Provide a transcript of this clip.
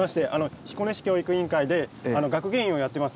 彦根市教育委員会で学芸員をやっています